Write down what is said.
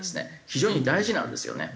非常に大事なんですよね。